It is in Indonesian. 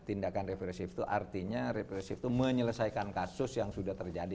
tindakan represif itu artinya represif itu menyelesaikan kasus yang sudah terjadi